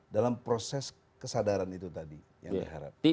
dalam proses kesadaran itu tadi